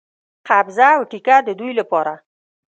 قبضه او ټیکه د دوی لپاره.